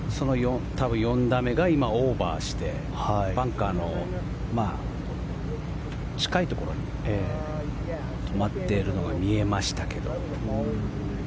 で、４打目が今、オーバーしてバンカーの近いところに止まっているのが見えましたけど。